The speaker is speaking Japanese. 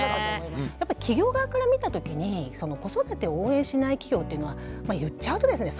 やっぱり企業側から見た時に子育てを応援しない企業っていうのは言っちゃうとですね